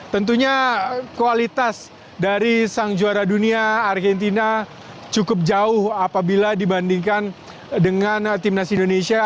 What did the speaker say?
tentunya kualitas dari sang juara dunia argentina cukup jauh apabila dibandingkan dengan timnas indonesia